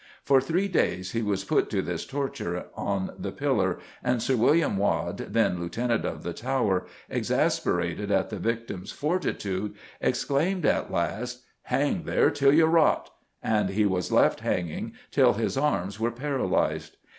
For three days he was put to this torture on the pillar, and Sir William Waad, then Lieutenant of the Tower, exasperated at the victim's fortitude, exclaimed at last, "Hang there till you rot!" and he was left hanging till his arms were paralysed.